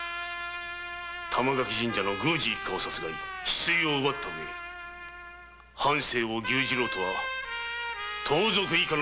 玉垣神社の宮司一家を殺害しヒスイを奪った上藩政を牛耳ろうとは盗賊以下！